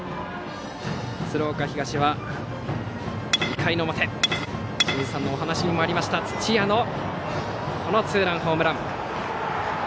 鶴岡東は２回の表清水さんのお話にもありました土屋のツーランホームラン。